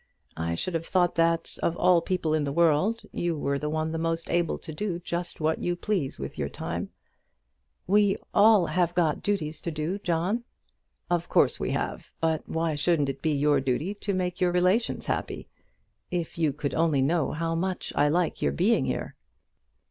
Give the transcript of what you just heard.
I should have thought that, of all people in the world, you were the one most able to do just what you please with your time." "We have all got duties to do, John." "Of course we have; but why shouldn't it be your duty to make your relations happy? If you could only know how much I like your being here?"